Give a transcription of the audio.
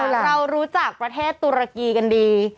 เรารู้จักประเทศตุรกีกันดี